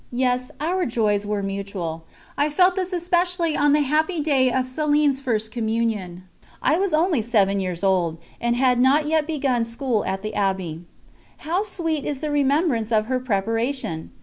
Yes, our joys were mutual. I felt this especially on the happy day of Céline's First Communion; I was only seven years old, and had not yet begun school at the Abbey. How sweet is the remembrance of her preparation!